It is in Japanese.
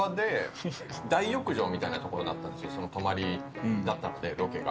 大浴場みたいなところだったんですよ、泊りだったので、ロケが。